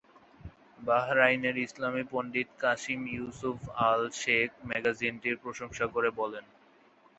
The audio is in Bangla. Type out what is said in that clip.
বাহরাইনের ইসলামি পণ্ডিত কাসিম ইউসুফ আল শেখ ম্যাগাজিনটির প্রশংসা করে বলেন,